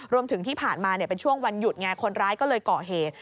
รวมถึงที่ผ่านมาเป็นช่วงวันหยุดไงคนร้ายก็เลยก่อเหตุ